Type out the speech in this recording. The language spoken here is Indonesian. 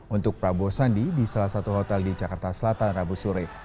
untuk prabowo sandi di salah satu hotel di jakarta selatan rabu sore